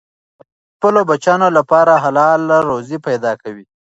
پلار د خپلو بچیانو لپاره حلاله روزي پیدا کوي.